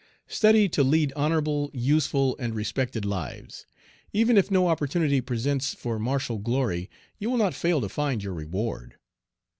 Study to lead honorable, useful, and respected lives. Even if no opportunity presents for martial glory you will not fail to find your reward.